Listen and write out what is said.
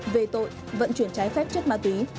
về tội vận chuyển trái phép chất ma túy